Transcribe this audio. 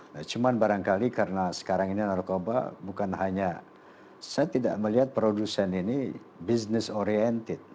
nah cuma barangkali karena sekarang ini narkoba bukan hanya saya tidak melihat produsen ini business oriented